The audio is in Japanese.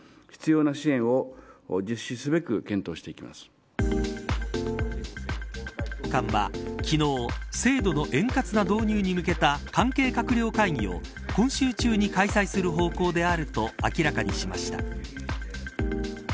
松野官房長官は昨日制度の円滑な導入に向けた関係閣僚会議を今週中に開催する方向であると明らかにしました。